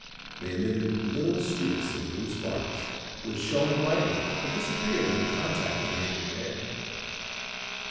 They emitted little streaks of blue sparks which shone brightly but disappeared when contact was made with air.